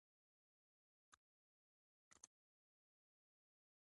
له سپتمبر یوولسمې وروسته دنیا یو ځل بیا هماغه استفراق راټول کړ.